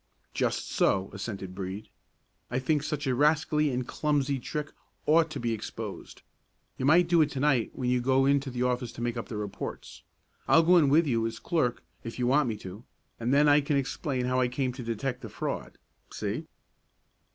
"Just so," assented Brede. "I think such a rascally and clumsy trick ought to be exposed. You might do it to night when you go in to the office to make up the reports. I'll go in with you as clerk if you want me to, and then I can explain how I came to detect the fraud. See?"